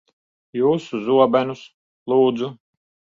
Jūsu zobenus, lūdzu.